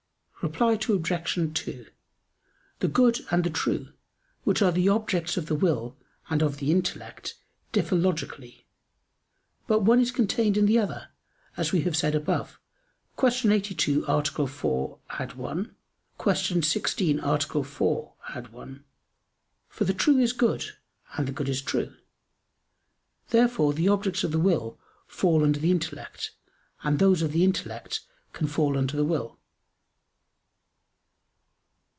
Reply Obj. 2: The "good" and the "true" which are the objects of the will and of the intellect, differ logically, but one is contained in the other, as we have said above (Q. 82, A. 4, ad 1; Q. 16, A. 4, ad 1); for the true is good and the good is true. Therefore the objects of the will fall under the intellect, and those of the intellect can fall under the will.